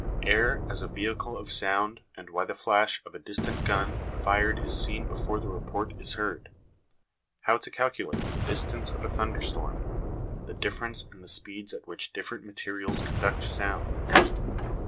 Air as a vehicle of sound, and why the flash of a distant gun fired is seen before the report is heard ; how to calculate the distance of a thunderstorm ; the difference in the speeds at which different materials conduct sound.